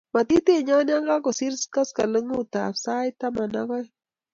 Matitinyo ya kakusir koskoleng'utab sait taman ak oeng'